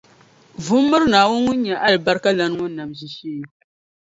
vu m-miri Naawuni ŋun nyɛ alibarikalana ŋɔ nam ʒiishee.